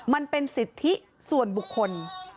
มันเป็นสิทธิส่วนบุคคล